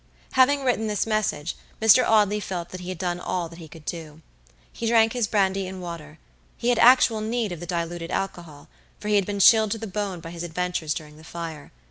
Having written this message, Mr. Audley felt that he had done all that he could do. He drank his brandy and water. He had actual need of the diluted alcohol, for he had been chilled to the bone by his adventures during the fire.